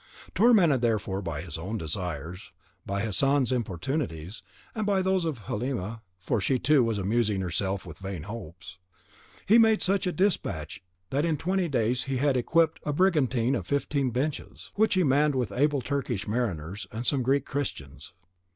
Tormented therefore by his own desires, by Hassan's importunities, and by those of Halima (for she, too, was amusing herself with vain hopes) he made such despatch that in twenty days he had equipped a brigantine of fifteen benches, which he manned with able Turkish mariners and some Greek Christians.